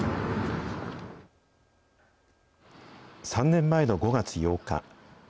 ３年前の５月８日。